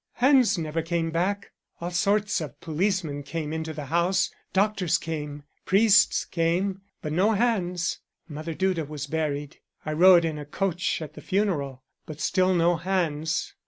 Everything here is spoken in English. "Hans never came back. All sorts of policemen came into the house, doctors came, priests came, but no Hans. Mother Duda was buried, I rode in a coach at the funeral, but still no Hans.